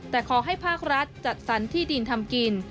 แต่ขอให้ภาครัฐจัดสรรที่ดินทำกิน